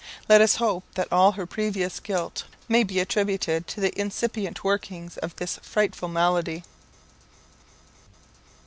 Let us hope that all her previous guilt may be attributed to the incipient workings of this frightful malady.